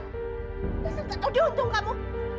asal enggak tahu diuntung kamu